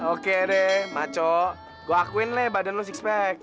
oke deh maco gua akuin leh badan lo six pack